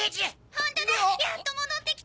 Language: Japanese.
ホントだやっと戻ってきた！